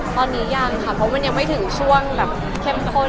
ตอนนี้ยังค่ะเพราะมันยังไม่ถึงช่วงแบบเข้มข้น